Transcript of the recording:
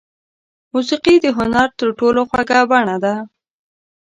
موسیقي د هنر تر ټولو خوږه بڼه ده.